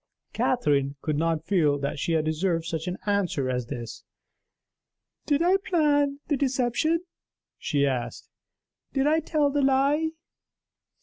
Catherine could not feel that she had deserved such an answer as this. "Did I plan the deception?" she asked. "Did I tell the lie?"